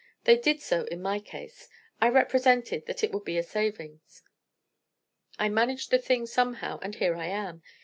They did so in my case. I represented that it would be a saving. I managed the thing somehow, and here I am.